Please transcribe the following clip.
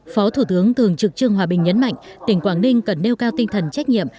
phó thủ tướng thường trực trương hòa bình nhấn mạnh tỉnh quảng ninh cần nêu cao tinh thần trách nhiệm